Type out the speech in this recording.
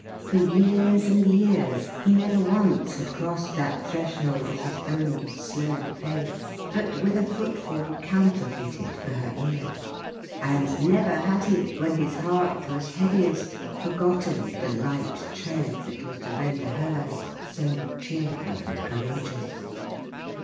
For years and years, he never once had crossed that threshold at his own slow pace, but with a footfall counterfeited for her ear; and never had he, when his heart was heaviest, forgotten the light tread that was to render hers so cheerful and courageous!